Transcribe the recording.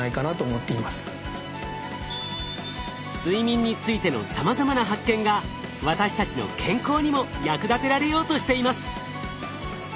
睡眠についてのさまざまな発見が私たちの健康にも役立てられようとしています。